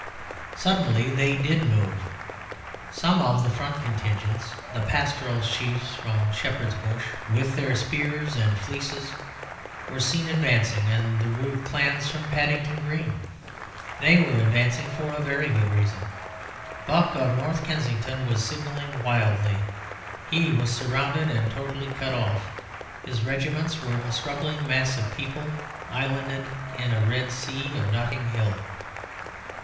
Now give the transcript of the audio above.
Suddenly they did move. Some of the front contingents, the pastoral chiefs from Shepherd's Bush, with their spears and fleeces, were seen advancing, and the rude clans from Paddington Green. They were advancing for a very good reason. Buck, of North Kensington, was signalling wildly; he was surrounded, and totally cut off. His regiments were a struggling mass of people, islanded in a red sea of Notting Hill.